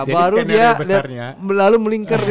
baru dia melalu melingkar